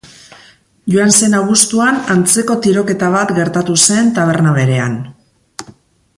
Joan zen abuztuan antzeko tiroketa bat gertatu zen taberna berean.